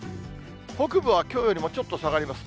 北部はきょうよりもちょっと下がります。